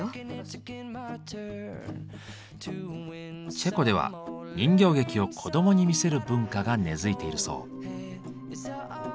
チェコでは人形劇を子どもに見せる文化が根付いているそう。